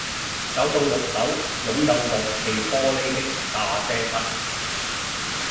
走到六樓擁有落地玻璃的咖啡室